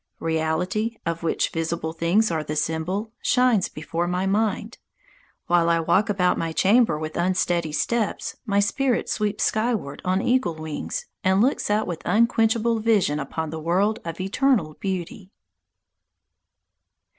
Reality, of which visible things are the symbol, shines before my mind. While I walk about my chamber with unsteady steps, my spirit sweeps skyward on eagle wings and looks out with unquenchable vision upon the world of eternal beauty.